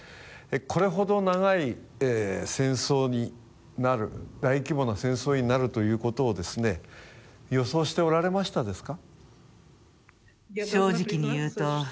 これほど長い戦争になる、大規模な戦争になるということを予想しておられましたですか？